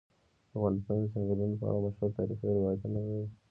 افغانستان د چنګلونه په اړه مشهور تاریخی روایتونه لري.